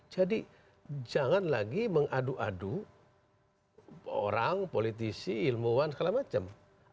jadi jangan lagi mengadu adu orang politisi ilmuwan segala macam